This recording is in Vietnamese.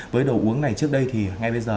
với đồ uống này trước đây thì ngay bây giờ